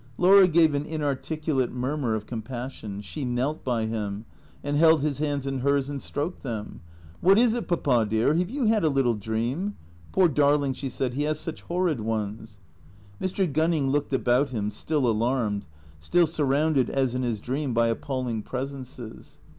Laura gave an inarticulate murmur of compassion. She knelt by him, and held his hands in hers and stroked them. " What is it, Papa dear, have you had a little dream ? Poor darling," she said, " he has such horrid ones." Mr. Gunning looked about him, still alarmed, still surrounded as in his dream, by appalling presences.